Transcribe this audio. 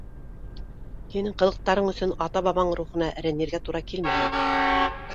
Һинең ҡылыҡтарың өсөн ата-бабаң рухына рәнйергә тура килмәһен.